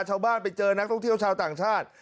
ชาวบ้านไปเจอนักท่องเที่ยวชาวต่างชาติ